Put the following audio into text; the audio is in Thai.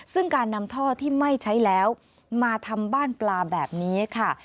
ซึ่งการนำท่อที่ไม่ใช้แล้วมาทำบ้านปลาแบบนี้ค่ะ